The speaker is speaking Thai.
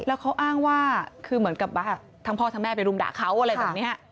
แล้วเขาอ้างว่าคือเหมือนกับว่าทั้งพ่อทั้งแม่ไปรุมด่าเขาอะไรแบบนี้